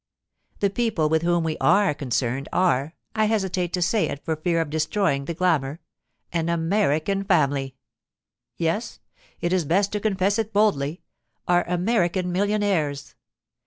The people with whom we are concerned are (I hesitate to say it for fear of destroying the glamour) an American family. Yes, it is best to confess it boldly—are American millionaires.